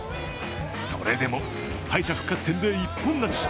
それでも、敗者復活戦で一本勝ち。